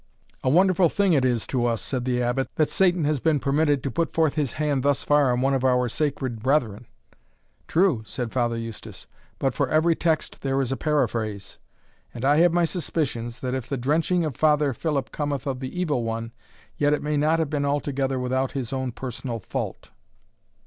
"A wonderful thing it is to us," said the Abbot, "that Satan has been permitted to put forth his hand thus far on one of our sacred brethren!" "True," said Father Eustace; "but for every text there is a paraphrase; and I have my suspicions, that if the drenching of Father Philip cometh of the Evil one, yet it may not have been altogether without his own personal fault."